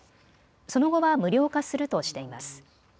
その後は無料化するとしています。